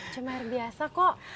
cuma air biasa kok